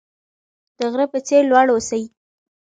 د غره په څیر لوړ اوسئ.